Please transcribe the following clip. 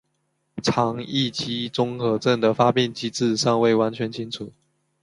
肠易激综合征的发病机制尚未完全清楚。